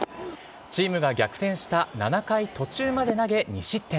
チームが逆転した７回途中まで投げ２失点。